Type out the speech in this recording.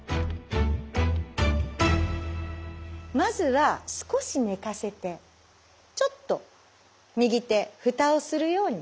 まずは少し寝かせてちょっと右手ふたをするように寝かせて。